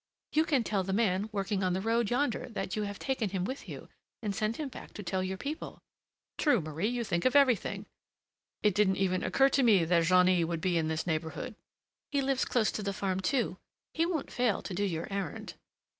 "You can tell the man working on the road yonder that you have taken him with you, and send him back to tell your people." "True, Marie, you think of everything! It didn't even occur to me that Jeannie would be in this neighborhood." "He lives close to the farm, too: he won't fail to do your errand."